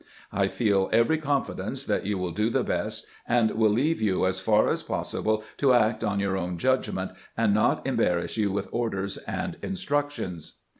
I feel every confidence that you will do the best, and wiU leave you as far as possible to act on your own judgment, and not embar rass you with orders and instructions."